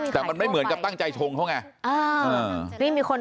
แต่มันไม่เหมือนสภาพที่ตั้งใจชงพวกมั๊ย